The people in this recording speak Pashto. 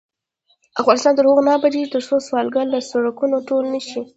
افغانستان تر هغو نه ابادیږي، ترڅو سوالګر له سړکونو ټول نشي.